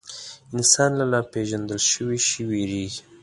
انسان له ناپېژندل شوي شي وېرېږي.